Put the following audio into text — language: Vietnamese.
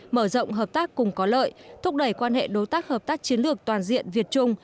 mở rộng hợp tác cùng có lợi thúc đẩy quan hệ đối tác hợp tác chiến lược toàn diện việt trung